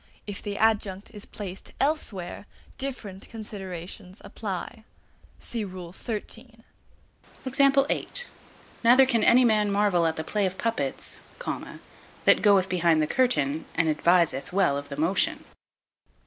If the adjunct is placed elsewhere, different considerations apply. See Rule XIII. (3). Neither can any man marvel at the play of puppets, that goeth behind the curtain and adviseth well of the motion.